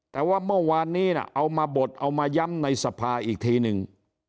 แต่ว่าเมื่อวานนี้เอามาบดเอามาย้ำในสภาอีกทีนึง